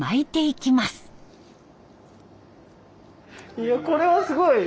いやこれはすごい。